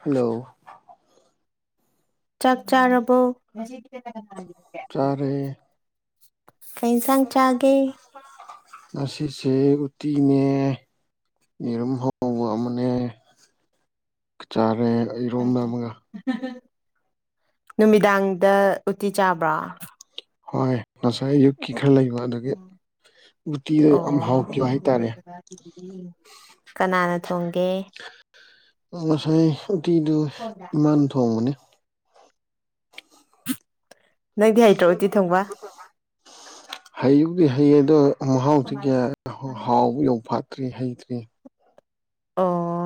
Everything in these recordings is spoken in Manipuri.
ꯍꯂꯣ ꯆꯥꯛ ꯆꯥꯔꯕꯣ ꯆꯥꯔꯦ ꯀꯩ ꯏꯟꯁꯥꯡ ꯆꯥꯒꯦ ꯉꯁꯤꯁꯦ ꯎꯇꯤꯅꯦ ꯌꯦꯔꯨꯝ ꯍꯧꯕ ꯑꯃꯅꯦ ꯆꯥ ꯔꯦ ꯏꯔꯣꯝꯕ ꯑꯃꯒ ꯅꯨꯃꯤꯗꯥꯡꯗ ꯎꯇꯤ ꯆꯥꯕ꯭ꯔꯥ ꯍꯣꯏ ꯉꯁꯥꯏꯌꯨꯛꯀꯤ ꯈꯔ ꯂꯩꯕ ꯑꯗꯒꯤ ꯎꯇꯤꯗꯣ ꯌꯥꯝ ꯑꯣ ꯍꯥꯎꯈꯤꯕ ꯍꯥꯏꯇꯥꯔꯦ ꯀꯅꯥꯅ ꯊꯣꯡꯒꯦ ꯉꯁꯥꯏ ꯎꯇꯤꯗꯨ ꯏꯃꯥꯥꯟ ꯊꯣꯡꯕꯅꯦ ꯅꯪꯗꯤ ꯍꯩꯇ꯭ꯔꯣ ꯎꯇꯤ ꯊꯣꯡꯕ ꯍꯩꯕꯨꯗꯤ ꯍꯩ ꯑꯗꯣ ꯃꯍꯥꯎꯗꯤ ꯀꯌꯥ ꯍ ꯍꯥꯎꯕ ꯌꯧꯐꯥꯠ ꯇ꯭ꯔꯤ ꯍꯩꯇ꯭ꯔꯤ ꯑꯣ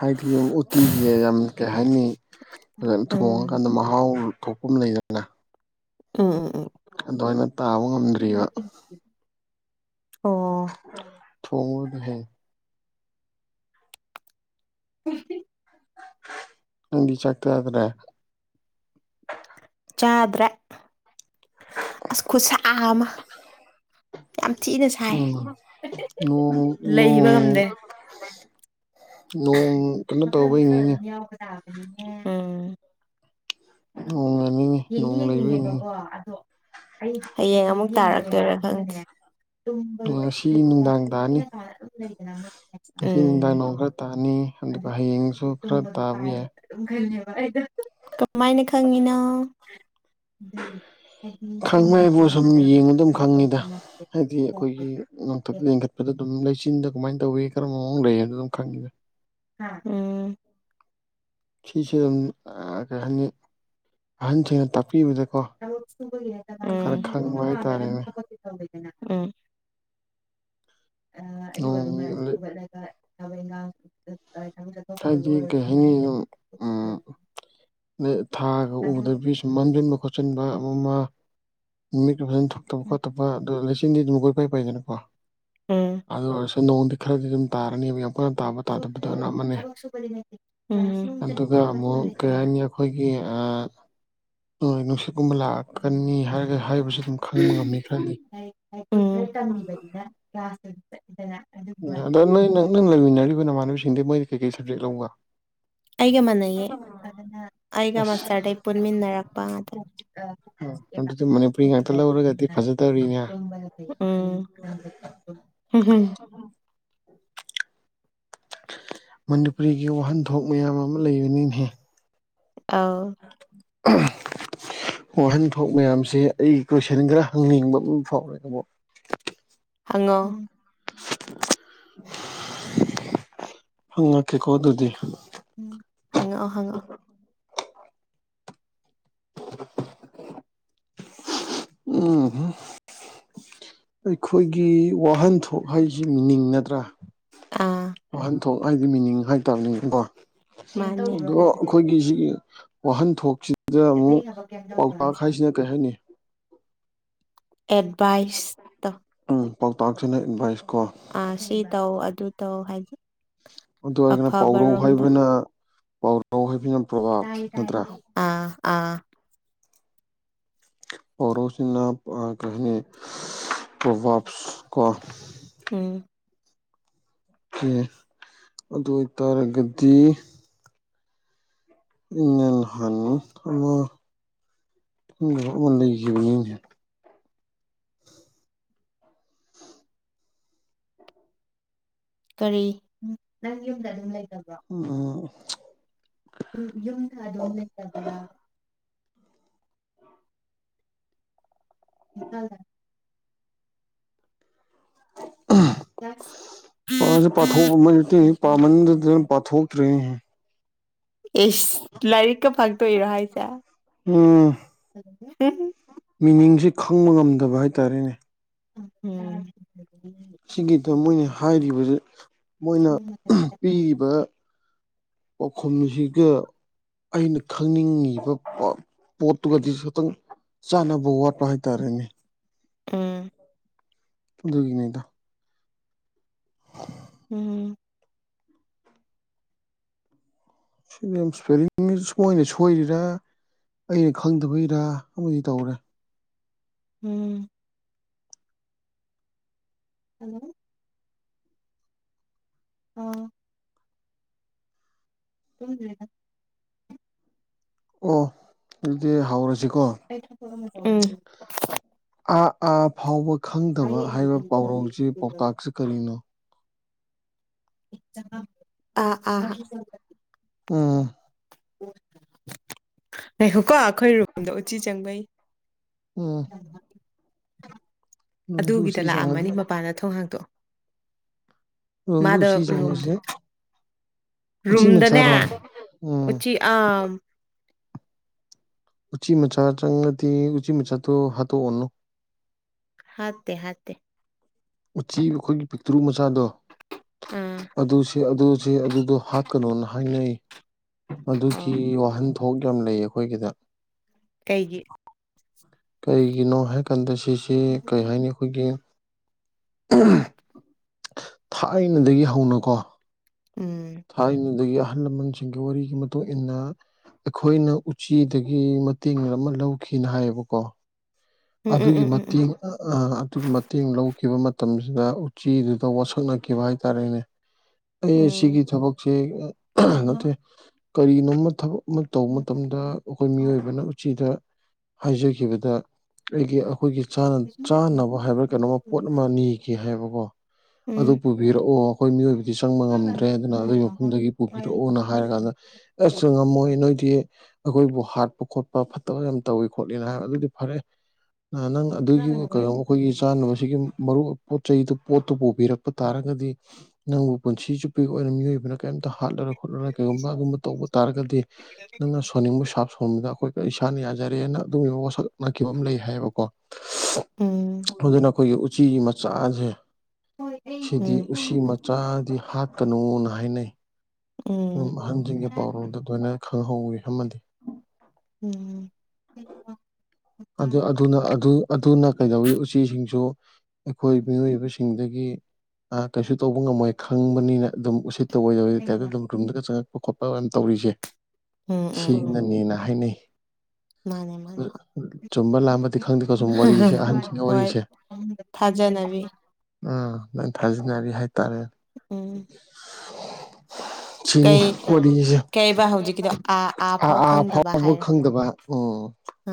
ꯍꯥꯏꯗꯤ ꯎꯝ ꯎꯇꯤꯒꯤ ꯌꯥꯝ ꯀꯩ ꯍꯥꯏꯅꯤ ꯎꯝ ꯊꯣꯡꯉꯀꯥꯟꯗ ꯃꯍꯥꯎ ꯀꯣꯛꯄꯨꯝ ꯂꯩꯗꯅ ꯎꯪꯎꯝ ꯑꯗꯨꯃꯥꯏꯅ ꯇꯥꯕ ꯉꯝꯗ꯭ꯔꯤꯕ ꯑꯣ ꯊꯣꯡꯕꯕꯨꯗꯤ ꯍꯩ [unintelligible] ꯅꯪꯗꯤ ꯆꯥꯛ ꯆꯥꯗ꯭ꯔꯦ ꯆꯥꯗ꯭ꯔꯦ ꯑꯁ ꯈꯨꯠꯁꯥ ꯑꯃ ꯌꯥꯝ ꯊꯤꯅ ꯁꯥꯏ ꯎꯝ ꯅꯣꯡ [unintelligible] ꯂꯩꯕ ꯅꯣꯡ ꯉꯝꯗꯦ ꯅꯣꯡ ꯀꯩꯅꯣ ꯃꯈꯜ ꯇꯧꯕꯩ ꯃꯈꯜ ꯅꯤꯅꯦ ꯑꯗꯨꯝ ꯌꯥꯎꯕ ꯎꯝ [unintelligible] ꯌꯦꯡꯗꯤ ꯅꯣꯡ ꯂꯩꯕꯒꯤꯅꯤꯅꯦ ꯌꯦꯡꯅꯤꯡꯉꯦꯕꯀꯣ ꯑꯗꯣ ꯑꯩ ꯍꯌꯦꯡ ꯑꯃꯨꯛ ꯇꯥꯔꯛꯇꯣꯏꯔꯥ ꯈꯪꯗ꯭ꯔꯦ ꯇꯨꯝꯕ [inaudible] ꯉꯁꯤ ꯅꯨꯡꯗꯥꯡ ꯇꯥꯅꯤ [unintelligible] ꯉꯁꯤ ꯅꯨꯡꯗꯥꯡ ꯅꯣꯡ ꯈꯔ ꯇꯥꯅꯤ ꯑꯗꯨꯒ ꯎꯝ ꯍꯌꯦꯡꯁꯨ [inaudible] ꯈꯔ ꯇꯨꯝꯕꯗꯣ ꯇꯥꯕ ꯌꯥꯏ ꯀꯥꯏꯔꯗꯤ [inaudible] [unintelligible] ꯀꯃꯥꯏꯅ ꯈꯪꯉꯤꯅꯣ ꯎꯝ ꯈꯪꯕ ꯍꯥꯏꯕꯨ ꯁꯨꯝ ꯌꯦꯡꯉ ꯑꯗꯨꯝ ꯈꯪꯉꯤꯗ ꯍꯥꯏꯗꯤ ꯑꯩꯈꯣꯏꯒꯤ ꯅꯣꯡꯊꯛꯇ ꯌꯦꯡꯈꯠꯄꯗ ꯑꯗꯨꯝ ꯂꯩꯆꯤꯟꯗ ꯀꯃꯥꯏꯟ ꯇꯧꯋꯤ ꯀꯔꯝꯕ ꯃꯑꯣꯡ ꯂꯩ ꯑꯗꯨ ꯑꯗꯨꯝ ꯈꯪꯉꯤꯗ ꯎꯝ ꯁꯤꯁꯦ ꯑꯗꯨꯝ ꯀꯩ ꯍꯥꯏꯅꯤ ꯑꯍꯟꯁꯤꯡꯅ ꯇꯥꯛꯄꯤꯕꯗ ꯁꯨ ꯍꯔꯅ ꯍꯥꯏꯇꯥꯔꯦꯅꯦ ꯊ ꯑꯌꯨꯛ ꯑꯗꯨꯝꯅ ꯅꯣꯡ ꯍꯧꯒꯠꯂꯒ ꯇ ꯉ ꯍꯥꯏꯗꯤ ꯀꯩ ꯍꯥꯏꯅꯤ ꯑꯗꯨꯝ ꯎꯝ ꯊꯥꯒ ꯎꯗꯕꯤ ꯁꯨꯝ ꯃꯝꯁꯤꯟꯕ ꯈꯣꯠꯆꯤꯟꯕ ꯑꯃ ꯅꯨꯃꯤꯠꯇꯨ ꯐꯖꯅ ꯊꯣꯛꯇꯕ ꯈꯣꯠꯇꯕ ꯑꯗꯨ ꯂꯤꯁꯤꯡꯗꯤ ꯑꯗꯨ ꯃꯈꯣꯏ ꯀꯥꯏ ꯄꯥꯏꯗꯅꯀꯣ ꯎꯝ ꯑꯗꯨ ꯑꯣꯏꯔꯁꯨ ꯅꯣꯡꯗꯤ ꯈꯔꯗꯤ ꯑꯗꯨꯝ ꯇꯥꯔꯅꯤꯕ ꯌꯥꯝ ꯀꯟꯅ ꯇꯥꯕ ꯇꯥꯗꯕꯗ ꯑꯔ ꯑꯃꯅꯦ ꯑꯗꯨꯒ ꯑꯃꯨꯛ ꯀꯩ ꯍꯥꯏꯅꯤ ꯑꯩꯈꯣꯏꯒꯤ ꯍ ꯒꯨꯝꯕ ꯂꯥꯛꯑꯀꯅꯤ ꯍꯥꯏꯔꯒ ꯍꯥꯏꯕꯁꯨ ꯑꯗꯨꯝ ꯈꯪꯕ ꯉꯝꯃꯤ ꯈꯔꯗꯤ ꯇꯝꯕꯅ ꯀ꯭ꯂꯥꯁꯅ ꯑꯗꯣ ꯅꯣꯏ ꯅꯪ ꯅꯪ ꯂꯩꯃꯤꯟꯅꯔꯤꯕ ꯅꯃꯥꯟꯅꯕꯤꯁꯤꯡꯗꯤ ꯃꯣꯏꯗꯤ ꯀꯩꯀꯩ ꯁꯕꯖꯦꯛ ꯂꯧꯒ [unintelligible] ꯑꯩꯒ ꯃꯥꯟꯅꯩꯌꯦ ꯑꯩꯒ ꯑꯁ ꯃꯁꯇꯔꯗꯩ ꯄꯨꯟꯃꯤꯟꯅꯔꯛꯄ ꯉꯇ ꯑꯗꯨꯗꯤ ꯃꯅꯤꯄꯨꯔꯤ ꯉꯥꯛꯇ ꯂꯧꯔꯒꯗꯤ ꯐꯖꯗꯧꯔꯤꯅꯦ ꯍꯝ ꯍꯝ ꯎꯝ ꯃꯅꯤꯄꯨꯔꯤꯒꯤ ꯋꯥꯍꯟꯊꯣꯛ ꯃꯌꯥꯝ ꯑꯃ ꯂꯩꯕꯅꯤꯍ ꯑꯥ ꯑ ꯑꯍꯟꯊ ꯃꯌꯥꯝꯁꯦ ꯑꯩꯒꯤ ꯀꯣꯏꯁꯟ ꯈꯔ ꯍꯪꯅꯤꯡꯕ ꯑꯃ ꯐꯥꯎꯔꯦ ꯇꯥꯣ ꯍꯉꯣ ꯍꯪꯉꯛꯀꯦꯀꯣ ꯑꯗꯨꯗꯤ ꯎꯝ ꯍꯉ ꯍꯉ [unintelligible] ꯎꯝ ꯑꯩꯈꯣꯏꯒꯤ ꯋꯥꯍꯟꯊꯣꯛ ꯍꯥꯏꯁ ꯁꯤ ꯃꯤꯅꯤꯡ ꯅꯠꯇ꯭ꯔꯥ ꯑꯥ ꯋꯥꯍꯟꯊꯣꯛ ꯍꯥꯏꯗꯤ ꯃꯤꯅꯤꯡ ꯍꯥꯏꯇꯥꯔꯅꯦꯀꯣ ꯃꯥꯅꯦ ꯑꯗꯣ ꯑꯩꯈꯣꯏꯒꯤ ꯁꯤꯒꯤ ꯋꯥꯍꯟꯊꯣꯛꯁꯤꯗ ꯑꯃꯨꯛ ꯄꯥꯎꯇꯥꯛ ꯍꯥꯏꯁꯤꯅ ꯀꯔꯤ ꯍꯥꯏꯅꯤ ꯑꯦꯠꯚꯥꯏꯁꯇ ꯎꯝ ꯄꯥꯎꯇꯥꯛꯁꯤꯅ ꯏꯟꯚꯥꯏꯁ ꯑꯥ ꯁꯤ ꯇꯧ ꯑꯗꯨ ꯇꯧ ꯍꯥꯏꯗꯤ ꯑꯗꯨ ꯑꯣꯏꯔꯒꯅ ꯄꯥꯎꯔꯧ ꯑꯐꯕꯔꯣꯝꯗ ꯍꯥꯏꯕꯅ ꯄꯥꯎꯔꯧ ꯍꯥꯏꯕꯅ ꯑꯥ ꯑꯥ ꯄꯔꯣꯁꯤꯅꯅꯥꯄ ꯀꯅꯦ ꯋꯥꯞꯁ ꯀ ꯎꯝ ꯑꯦ ꯑꯗꯨ ꯑꯣꯏꯇꯥꯔꯒꯗꯤ ꯏ ꯍ ꯑꯃ ꯎ ꯂꯃ ꯂꯩ ꯀꯔꯤ ꯅꯪ ꯌꯨꯝꯗ ꯑꯗꯨꯝ ꯂꯩ ꯑꯣ ꯌꯨꯝꯗ ꯑꯗꯨꯝ ꯂꯩꯇꯕ꯭ꯔꯕ ꯍ ꯑ ꯄꯥꯁ ꯄꯥꯊꯣꯛ ꯃ ꯄꯥꯃꯟꯗꯗ ꯄꯥꯊꯣꯛꯇ꯭ꯔꯦꯦ ꯑꯦꯁ ꯂꯥꯏꯔꯤꯛꯀ ꯐꯪꯇꯣꯏꯏꯔꯣ ꯍꯥꯏꯁꯦ ꯎ ꯃꯤꯅꯤꯡꯁꯤ ꯈꯪꯕ ꯉꯝꯗꯕ ꯍꯥꯏꯇꯥꯔꯦꯅꯦ ꯎꯝ ꯁꯤꯒꯤꯗ ꯃꯣꯏꯅ ꯍꯥꯏꯔꯤꯕꯁꯤ ꯃꯣꯏꯅ ꯄꯤꯔꯤꯕ ꯑꯣꯈꯨꯝꯁꯤꯒ ꯑꯩꯅ ꯈꯪꯅꯤꯡꯉꯤꯕ ꯄꯣꯠꯇꯨꯒꯗꯤ ꯈꯤꯇꯪ ꯆꯥꯅꯕ ꯋꯥꯠꯄ ꯍꯥꯏꯇꯥꯔꯦꯅꯦ ꯎꯝ ꯗꯨꯒꯤꯅꯗ ꯎꯝ ꯁꯤ ꯏꯁꯄꯦꯔꯤꯡ ꯁꯣꯏꯅ ꯁꯣꯏꯔꯤꯔ ꯑꯩꯅ ꯈꯪꯗꯕꯩꯔ ꯑꯃꯗꯤ ꯇꯧꯔꯦ ꯎꯝ ꯍꯜꯂꯣ ꯎ ꯇ ꯂꯩꯗ [inaudible] ꯑꯣ ꯑꯗꯨꯗꯤ ꯍꯧꯔꯁꯤ ꯎꯝ ꯑꯥ ꯑꯥ ꯐꯥꯎꯕ ꯈꯪꯗꯕ ꯍꯥꯏꯕ ꯄꯥꯎꯔꯧꯁꯤ ꯄꯥꯎꯇꯥꯛꯁꯤ ꯀꯔꯤꯅꯣ ꯑꯥ ꯑꯥ ꯎꯝ ꯂꯩꯈꯣꯀꯣ ꯑꯩꯈꯣꯏ ꯔꯨꯝꯗ ꯎꯆꯤ ꯆꯪꯕꯩ ꯎꯝ ꯔꯨꯝꯗ ꯑꯗꯨꯒꯤꯗ ꯎꯆꯤ ꯂꯥꯛꯑꯝꯃꯅꯤ ꯆꯪꯉꯗꯤ ꯃꯄꯥꯟꯅ ꯊꯣꯡꯍꯥꯡꯗꯣ ꯔꯨꯝꯗ ꯃꯥꯗ ꯎꯆꯤ ꯔꯨꯝꯗ ꯆꯪꯕꯁꯦ ꯎꯆꯤ ꯔꯨꯝꯨꯝꯗꯅꯦ ꯃꯆꯥꯔꯣ ꯎꯝ ꯎꯆꯤ ꯑ ꯎ ꯎꯆꯤ ꯃꯆꯥ ꯆꯪꯗꯤ ꯎ ꯎꯆꯤ ꯃꯆꯥꯇ ꯍꯥꯇꯣ ꯑꯣꯅꯣ ꯍꯥꯠꯇꯦ ꯍꯥꯠꯇꯦ ꯎꯆꯤ ꯑꯩꯈꯣꯏꯒꯤ ꯄꯤꯛꯇ꯭ꯔꯨ ꯃ ꯃꯆꯥꯗꯣ ꯑꯥ ꯑꯗꯨ ꯑꯗꯨꯁ ꯑꯗꯨꯗꯣ ꯍꯥꯠꯀꯅꯣꯅ ꯍꯥꯏꯅꯩ ꯑꯣ ꯑꯗꯨꯒꯤ ꯋꯥꯍꯟꯊꯣꯛ ꯌꯥꯝ ꯂꯩ ꯑꯩꯈꯣꯏꯒꯤꯗ ꯀꯩꯒꯤ ꯀꯔꯤꯒꯤꯅꯣ ꯍꯥꯏꯀꯥꯟꯗ ꯁꯤꯁꯦ ꯀꯩ ꯍꯥꯏꯅꯤ ꯑꯩꯈꯣꯏꯒꯤ ꯊꯥꯏꯅꯗꯒꯤ ꯍꯧꯅꯀꯣ ꯎꯝ ꯊꯥꯏꯅꯗꯒꯤ ꯑꯍꯜ ꯂꯃꯟꯁꯤꯡꯒꯤ ꯋꯥꯔꯤꯒꯤ ꯃꯇꯨꯡꯏꯟꯅ ꯑꯩꯈꯣꯏꯅ ꯎꯆꯤꯗꯒꯤ ꯃꯇꯦꯡ ꯑꯃ ꯂꯧꯈꯤꯅ ꯍꯥꯏꯌꯦꯕꯀꯣ ꯎꯝ ꯎꯝ ꯑꯗꯨꯒꯤ ꯎꯝ ꯎꯝ ꯃꯇꯦꯡ ꯑ ꯑꯗꯨꯒꯤ ꯃꯇꯦꯡ ꯂꯧ ꯈꯤꯕ ꯃꯇꯝꯁꯤꯗ ꯎꯆꯤꯗꯨꯗ ꯋꯥꯁꯛꯅꯈꯤꯕ ꯍꯥꯏꯇꯥꯔꯦꯅꯦ ꯑꯩ ꯎꯝ ꯁꯤꯒꯤ ꯊꯕꯛ ꯅꯠꯇꯦ ꯀꯔꯤꯅꯣꯃ ꯊꯕꯛ ꯑꯃ ꯇꯧꯕ ꯃꯇꯝꯗ ꯑꯩꯈꯣꯏ ꯃꯤꯑꯣꯏꯕꯅ ꯎꯆꯤꯗ ꯍꯥꯏꯖꯈꯤꯕꯗ ꯑꯩꯒꯤ ꯑꯩꯈꯣꯏꯒꯤ ꯆꯥꯅꯕ ꯍꯥꯏꯕ꯭ꯔꯥ ꯀꯩꯅꯣꯃ ꯄꯣꯠ ꯑꯃ ꯅꯤꯒꯦ ꯍꯥꯏꯕꯀꯣ ꯎꯝ ꯑꯗꯨ ꯎꯝ ꯄꯨꯕꯤꯔꯛꯑꯣ ꯑꯩꯈꯣꯏ ꯃꯤꯑꯣꯏꯕ ꯗꯤ ꯆꯪꯕ ꯉꯝꯗ꯭ꯔꯦ ꯑꯗꯨꯅ ꯑꯗꯨꯒꯤ ꯃꯐꯝꯗꯒꯤ ꯄꯨꯕꯤꯔꯛꯑꯣꯅ ꯍꯥꯏꯔ ꯀꯥꯟꯗ ꯑꯁꯁꯨ ꯉꯝꯃꯣꯏ ꯅꯣꯏꯗꯤ ꯑꯩꯈꯣꯏꯕꯨ ꯍꯥꯠꯄ ꯈꯣꯠꯄ ꯐꯠꯇꯕ ꯌꯥꯝ ꯇꯧꯏꯤ ꯈꯣꯠꯂꯤꯅ ꯍꯥꯏꯕ ꯑꯗꯨꯗꯤ ꯐꯔꯦ ꯅꯪ ꯑꯗꯨꯒꯤ ꯀꯩꯅꯣ ꯑꯩꯈꯣꯏꯒꯤ ꯆꯥꯅꯕꯁꯤꯒꯤ ꯃꯔꯨꯞ ꯄꯣꯠ ꯆꯩꯗꯨ ꯄꯣꯠꯇꯨ ꯄꯨꯕꯤꯔꯛꯄ ꯇꯥꯔꯒꯗꯤ ꯅꯪꯕꯨ ꯄꯨꯟꯁꯤ ꯆꯨꯞꯄꯤꯒꯤ ꯑꯣꯏꯅ ꯃꯤꯑꯣꯏꯕꯅ ꯀꯩꯝꯇ ꯍꯥꯠꯂꯛ ꯈꯣꯠꯂꯒ ꯀꯩꯒꯨꯝꯕ ꯑꯗꯨꯒꯨꯝꯕ ꯇꯧꯕ ꯇꯥꯔꯒꯗꯤ ꯅꯪꯅ ꯁꯣꯟꯅꯤꯡꯕꯞ ꯁꯣꯝꯗ ꯑꯩꯈꯣꯏ ꯏꯁꯥꯅ ꯌꯥꯖꯔꯦꯅ ꯑꯗꯨꯒꯤꯕ ꯋꯥꯁꯛ ꯅꯥꯈꯤꯕ ꯑꯃ ꯂꯩ ꯍꯥꯏꯌꯦꯕꯀꯣ ꯎꯝ ꯑꯗꯨꯅ ꯑꯩꯈꯣꯏꯒꯤ ꯎꯆꯤ ꯃꯆꯥꯁꯦ ꯁꯤꯗꯤ ꯎꯝ ꯎꯁꯤ ꯃꯆꯥꯗꯤ ꯍꯥꯠꯀꯅꯨꯅ ꯍꯥꯏꯅꯩ ꯑꯗꯨꯝ ꯑꯍꯟꯁꯤꯡꯒꯤ ꯄꯥꯎꯔꯣꯜꯗ ꯗꯨꯏꯅ ꯈꯪꯍꯧꯋꯤ ꯑꯃꯗꯤ ꯎꯝ ꯑꯗꯨꯅ ꯀꯩꯗꯧꯋꯤ ꯎꯆꯤꯁꯤꯡꯁꯨ ꯑꯩꯈꯣꯏ ꯃꯤꯑꯣꯏꯕꯁꯤꯡ ꯁꯤꯡꯗꯒꯤ ꯀꯩꯁꯨ ꯇꯧꯕ ꯉꯝꯃꯣꯏ ꯈꯪꯕꯅꯤꯅ ꯑꯗꯨꯝ ꯎꯁꯤꯠ ꯇꯧꯑꯣꯣꯏꯗꯞ ꯑꯗꯨ ꯑꯗꯨꯝ ꯔꯨꯝꯗꯒ ꯆꯪꯉꯛꯄ ꯈꯣꯠꯄ ꯃ ꯇꯧꯔꯤꯁꯦ ꯎꯝ ꯎꯝ ꯎꯝ ꯁꯤꯅꯅꯦꯅ ꯍꯥꯏꯅꯩ ꯃꯥꯅꯦ ꯃꯥꯅꯦ ꯆꯨꯝꯕ ꯂꯥꯝꯕꯗꯤ ꯈꯪꯗꯦꯀꯣ ꯁꯨꯝ ꯋꯥꯔꯤꯁꯦ ꯑꯍꯟꯁꯤꯡꯒꯤ ꯍꯏꯠ ꯋꯥꯔꯤꯁꯦ ꯊꯥꯖ ꯅꯕꯤ ꯎꯝ ꯂꯣꯏ ꯊꯥꯖꯟꯅꯔꯤ ꯍꯥꯏꯇꯥꯔꯦ ꯎꯝ [inaudible] ꯁꯤꯅꯤ ꯀꯩ ꯋꯥꯔꯤꯁꯦ ꯀꯩꯕ ꯍꯧꯖꯤꯛꯀꯤꯗꯣ ꯑꯥ ꯑꯥ ꯐꯥꯎ ꯈꯪꯗꯕ ꯐꯥꯎꯕ ꯍꯥꯏꯔꯣ ꯈꯪꯗꯕ ꯎꯝ ꯎ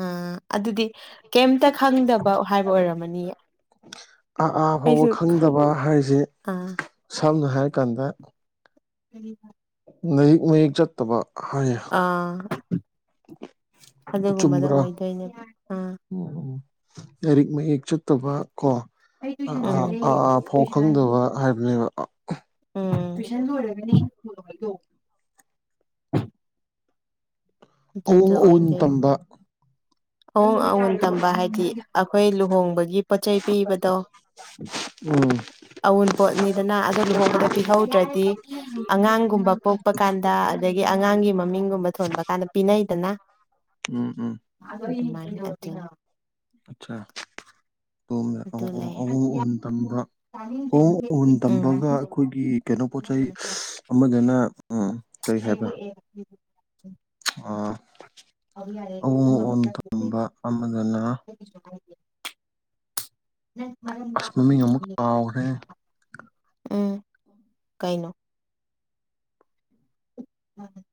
ꯑꯗꯨꯗꯤ ꯀꯩꯝꯇ ꯈꯪꯗꯕ ꯍꯥꯏꯕ ꯑꯣꯏꯔꯝꯃꯅꯤꯌꯦ ꯑꯥ ꯐꯥꯎꯕ ꯈꯪꯗꯕ ꯍꯥꯏꯁꯦ ꯑꯥ ꯁꯝꯅ ꯍꯥꯏꯔꯀꯥꯟꯗ ꯀꯔꯤ ꯐ ꯃꯍꯌꯦꯛꯛ ꯃꯌꯦꯛ ꯆꯠꯇꯕ ꯍꯥꯏꯌꯦ ꯑꯥ ꯑꯗꯨꯒꯨꯝꯕꯗ ꯆꯨꯝꯕ꯭ꯔꯥ ꯑꯣꯏꯗꯣꯏꯅꯦꯕ ꯑꯥ ꯎꯝ ꯂꯥꯏꯔꯤꯛ ꯃꯌꯦꯛ ꯆꯠꯇꯕ ꯀꯣ ꯑꯩ ꯇꯨꯏꯁꯟ ꯆꯠꯂꯦ ꯐꯥꯎ ꯈꯪꯗꯕ ꯍꯥꯏꯕꯅꯦꯕ ꯇꯨꯏꯁꯟ ꯂꯣꯏꯔꯒꯅꯦ ꯍ ꯍꯥꯏꯗꯣ ꯑꯎꯡ ꯑꯎꯟ ꯇꯝꯕ ꯑꯋꯣꯡ ꯑꯋꯣꯟ ꯇꯝꯕ ꯍꯥꯏꯗꯤ ꯑꯩꯈꯣꯏ ꯂꯨꯍꯣꯡꯕꯒꯤ ꯄꯣꯠꯆꯩ ꯄꯤꯕꯗꯣ ꯎꯝ ꯑꯎꯟꯄꯣꯠꯅꯤꯗꯅ ꯑꯣ ꯂꯨꯍꯣꯡꯕꯗ ꯄꯤꯍꯧꯗ꯭ꯔꯗꯤ ꯑꯉꯥꯡꯒꯨꯝꯕ ꯄꯣꯛꯄ ꯀꯥꯟꯗ ꯑꯗꯒꯤ ꯑꯉꯥꯡꯒꯤ ꯃꯃꯤꯡꯒꯨꯝꯕ ꯊꯣꯟꯕ ꯀꯥꯟꯗ ꯄꯅꯩꯗꯅ ꯎꯝ ꯎꯝ ꯑꯆꯥ ꯑꯗꯨ ꯂꯩꯔꯦ ꯑꯣꯪ ꯎꯟ ꯎꯝ ꯇꯝꯕꯒ ꯑꯩꯈꯣꯏꯒꯤ ꯀꯩꯅꯣ ꯄꯣꯠ ꯆꯩ ꯑꯃꯗꯅ ꯎꯝ ꯀꯩ ꯍꯥꯏꯕ꯭ꯔꯥ ꯎꯝ ꯎꯝ ꯑꯎꯣꯡ ꯑꯑꯣꯣꯡ ꯇꯝꯕ ꯑꯃꯗꯅ ꯑꯁꯃꯃꯤ ꯑꯃꯨꯛ ꯀꯥꯎꯔꯦ ꯎꯝ ꯀꯥꯏꯩꯅꯣ ꯎꯝ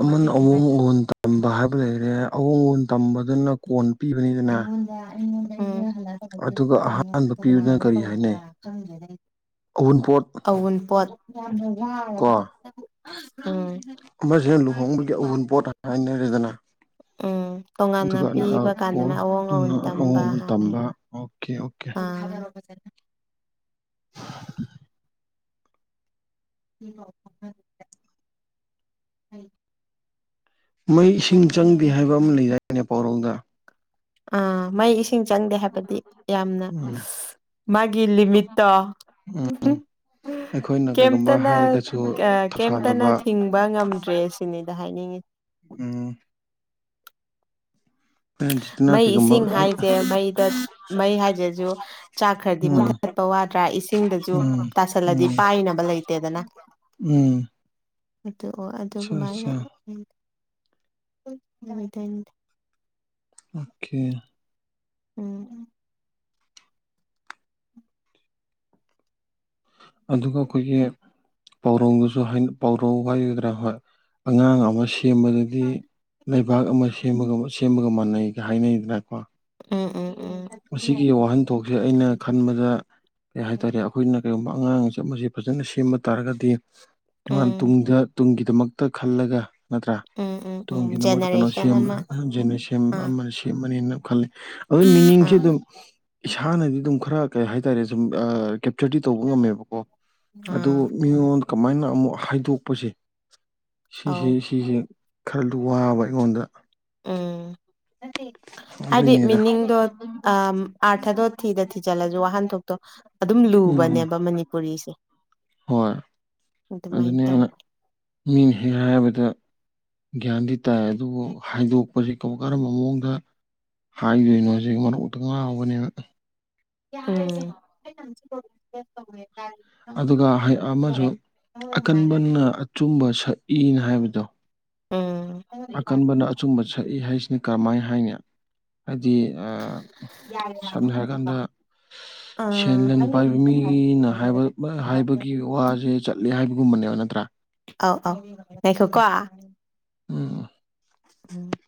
ꯑꯃꯟ ꯑꯋꯣꯡ ꯎꯍꯣꯟ ꯇꯝꯕ ꯍꯥꯏꯕ ꯂꯩꯔꯦ ꯑꯋꯣꯡꯕꯣꯟ ꯇꯝꯕꯗꯨꯅ ꯀꯣꯟ ꯄꯤꯕꯅꯤꯗꯅ ꯎꯝ ꯑꯗꯨꯒ ꯑꯍꯥꯟꯕ ꯄꯤꯗꯨꯗꯨꯅ ꯀꯔꯤ ꯍꯥꯏꯅꯩ ꯑꯎꯟꯄꯣꯠ ꯑꯟ ꯄꯣꯠ ꯃꯁꯤꯅ ꯂꯨꯍꯣꯡꯕꯒꯤ ꯑꯎꯨꯕ ꯄꯣꯠ ꯍꯥꯏꯅꯔꯦꯗꯅ ꯎꯝ ꯇꯣꯉꯥꯟꯅ ꯑꯗꯨꯒꯗꯨꯅ ꯄꯤꯕ ꯀꯥꯟꯗꯅ ꯑꯑꯣꯡ ꯑꯋꯣꯟ ꯇꯝꯕ ꯍꯥꯏ ꯇꯕꯥ ꯑꯣꯀꯦ ꯑꯣꯀꯦ ꯑ [inaudible] [inaudible] ꯎꯝ ꯃꯩ ꯏꯁꯤꯡ ꯆꯪꯗꯦ ꯍꯥꯏꯕ ꯑꯃ ꯂꯩꯖꯔꯤ ꯑꯅꯦ ꯄꯥꯎꯔꯣꯗ ꯑ ꯃ ꯏ ꯏꯁꯤꯡ ꯆꯪꯗꯦ ꯍꯥꯏꯕꯗꯤ ꯌꯥꯝꯅ ꯎꯝ ꯃꯥꯒꯤ ꯂꯤꯃꯤꯠꯇꯣ ꯎꯝ ꯑꯩꯈꯣꯏ ꯑꯩꯈꯩꯅ ꯀꯩꯒꯨꯝꯕ ꯀꯩꯝꯇꯅ ꯍꯥꯏꯔꯒꯁꯨ ꯀꯩꯝꯇꯅ ꯊꯧꯁꯥꯗꯕ ꯊꯤꯡꯕ ꯉꯝꯗ꯭ꯔꯦ ꯁꯤꯅꯤꯗ ꯍꯥꯏꯅꯤꯡꯉꯤ ꯎꯝ ꯄꯦꯔꯦꯟꯁꯤꯇꯅ ꯃꯩ ꯀꯩꯒꯨꯝꯕ ꯏꯁꯤꯡ ꯍꯥꯏꯁꯦ ꯃꯩꯗ ꯃꯩ ꯍꯥꯏꯁꯤꯁꯨ ꯆꯥꯛ ꯈꯔꯗꯤ ꯎꯝ ꯃꯨꯊꯠ ꯆꯠꯄ ꯋꯥꯗ꯭ꯔꯥ ꯏꯁꯤꯡꯗꯁꯨ ꯎꯝ ꯇꯥꯁꯜꯂꯗꯤ ꯎꯝ ꯄꯥꯏꯅꯕ ꯂꯩꯇꯦꯗꯅ ꯎꯝ ꯑꯗꯨꯑꯣ ꯑꯆꯥ ꯑꯗꯨꯃꯥꯏꯅ ꯑꯆꯥ ꯑꯣꯀꯦ ꯎꯝ ꯑꯗꯨꯒ ꯑꯩꯈꯣꯏꯒꯤ ꯄꯥꯎꯔꯧꯗꯨꯁꯨ ꯄꯥꯎꯔꯧ ꯍꯥꯏꯒꯗ꯭ꯔꯥ ꯍꯣꯏ ꯑꯉꯥꯡ ꯑꯃ ꯁꯦꯝꯕꯗꯗꯤ ꯂꯩꯕꯥꯛ ꯑꯃ ꯁꯦꯝꯕꯒ ꯁꯦꯝꯕꯒ ꯃꯥꯟꯅꯩꯒ ꯍꯥꯏꯅꯩꯗꯅꯀꯣ ꯑꯥ ꯑꯥ ꯃꯁꯤꯒꯤ ꯋꯥꯍꯟꯊꯣꯛꯁꯦ ꯑꯩꯅ ꯈꯟꯕꯗ ꯀꯩ ꯍꯥꯏꯇꯥꯔꯦ ꯑꯩꯈꯣꯏꯅ ꯀꯔꯤꯒꯨꯝꯕ ꯑꯉꯥꯡ ꯆꯠ ꯃꯁ ꯐꯖꯅ ꯁꯦꯝꯕ ꯇꯥꯔꯒꯗꯤ ꯎꯝ ꯎꯝ ꯇꯨꯡꯗ ꯇꯨꯡꯒꯤ ꯒꯤ ꯗꯃꯛꯇ ꯈꯜꯂꯒ ꯅꯠꯇ꯭ꯔꯥ ꯎꯝ ꯎꯝ ꯇꯣꯝꯒꯤꯗꯃꯛꯇ ꯀꯩꯅꯣ ꯖꯦꯅꯦꯔꯦꯁꯟ ꯁꯦꯝꯕ ꯑꯃ ꯑꯍ ꯖꯁ ꯁꯦꯝ ꯑꯥ ꯑꯃꯅ ꯁꯦꯝꯃꯅꯦꯅ ꯈꯜꯂꯤ ꯑꯗꯨ ꯃꯤꯅꯤꯡꯁꯦ ꯑꯥ ꯑꯗꯨꯝ ꯏꯁꯥꯅꯗꯤ ꯑꯗꯨꯝ ꯈꯔ ꯀꯩ ꯍꯥꯏꯇꯥꯔꯦ ꯁꯨꯝ ꯏꯁꯇꯗꯤ ꯇꯧꯕ ꯉꯝꯃꯦꯕꯀꯣ ꯑꯗꯨ ꯑꯥ ꯃꯤꯉꯣꯟꯗ ꯀꯃꯥꯏꯅ ꯑꯃꯨꯛ ꯍꯥꯏꯗꯣꯛꯄꯁꯦ ꯑꯧ ꯁꯤꯁꯤ ꯁꯤꯁꯦ ꯈꯔꯗꯨ ꯋꯥꯕ ꯑꯩꯉꯣꯟꯗ ꯎꯝ ꯍꯥꯏꯗꯤ ꯑꯗꯨꯏꯅꯤꯗ ꯃꯤꯅꯤꯡꯗꯣ ꯑꯥꯔꯊꯗꯣ ꯊꯤꯗ ꯊ ꯊꯤ ꯆꯠꯂꯁꯨ ꯋꯥꯍꯟꯊꯣꯛꯇꯣ ꯑꯗꯨꯝ ꯎꯝ ꯂꯨꯕꯅꯦꯕ ꯃꯅꯤꯄꯨꯔꯤꯁꯦ ꯍꯣꯏ ꯑꯗꯨꯃꯥꯏꯅ ꯑꯗꯨꯅꯤ ꯑꯩꯅ ꯇꯧꯋꯦ ꯃꯤꯅ ꯍ ꯍꯥꯏꯔꯕꯗ ꯒ꯭ꯌꯥꯟꯗꯤ ꯇꯥꯏ ꯑꯗꯨꯕꯨ ꯍꯥꯏꯗꯣꯛꯄꯁꯤ ꯀ ꯀꯔꯝꯕ ꯃꯑꯣꯡꯗ ꯍꯥꯏꯗꯣꯏꯅꯣ ꯁꯤ ꯃꯔꯣꯛꯇ ꯉꯥꯎꯕꯅꯦꯕ ꯎ ꯑꯗꯨꯒ ꯑꯃꯁꯨ ꯑꯀꯟꯕꯅ ꯑꯆꯨꯝꯕ ꯁꯛꯏꯅ ꯍꯥꯏꯕꯗꯣ ꯑꯣ ꯑꯀꯟꯕꯅ ꯑꯆꯨꯝꯕ ꯁꯛꯏ ꯍꯥꯏꯁꯤꯅ ꯀꯔꯝꯍꯥꯏꯅ ꯍꯥꯏꯅꯤ ꯍꯥꯏꯗꯤ ꯁꯝꯅ ꯍꯥꯏꯔ ꯀꯥꯟꯗ ꯁꯦꯟ ꯑꯥ ꯂꯟ ꯄꯥꯏꯕ ꯃꯤꯅꯕ ꯍꯥꯏꯕꯒꯤ ꯋꯥꯁꯦ ꯆꯠꯂꯦ ꯍꯥꯏꯕꯒꯨꯝꯕꯅꯦꯕ ꯅꯠꯇ꯭ꯔꯥ ꯑꯥꯎ ꯑꯧ ꯂꯩꯈꯣ ꯀꯣ ꯑꯣꯥ ꯎꯝ